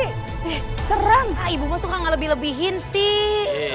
eh serem ibu mah suka nggak lebih lebihin sih